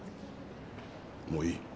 もういい。